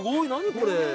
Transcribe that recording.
これ。